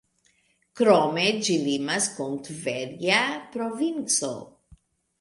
Krome, ĝi limas kun Tverja provinco.